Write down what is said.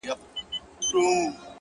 کندهاری زده چي وای پکتيا سره خبرې وکړه;